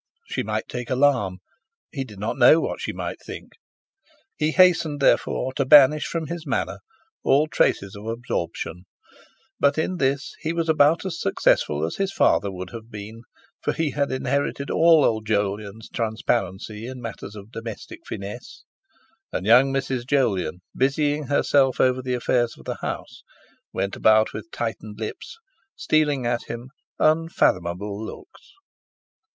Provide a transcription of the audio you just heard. She might take alarm, he did not know what she might think; he hastened, therefore, to banish from his manner all traces of absorption, but in this he was about as successful as his father would have been, for he had inherited all old Jolyon's transparency in matters of domestic finesse; and young Mrs. Jolyon, busying herself over the affairs of the house, went about with tightened lips, stealing at him unfathomable looks.